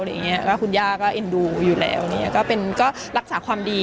อะไรอย่างเงี้ยก็คุณยาก็อยู่แล้วเนี้ยก็เป็นก็รักษาความดี